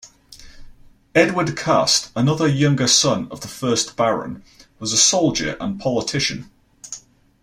Edward Cust, another younger son of the first Baron, was a soldier and politician.